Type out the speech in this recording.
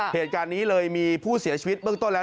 เหตุการณ์นี้เลยมีผู้เสียชีวิตเบื้องต้นแล้ว